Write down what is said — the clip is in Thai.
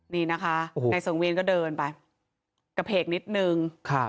นี่นะคะนายสังเวียนก็เดินไปกระเพกนิดนึง